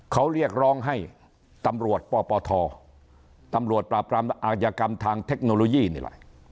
เขาเรียกร้องให้ตำรวจปปทตำรวจปราบรามอายกรรมทางเทคโนโลยีนี่แหละ